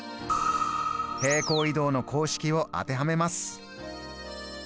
平行移動の公式を当てはめます。